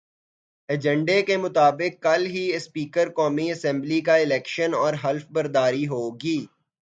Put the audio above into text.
ایجنڈے کے مطابق کل ہی اسپیکر قومی اسمبلی کا الیکشن اور حلف برداری ہوگی۔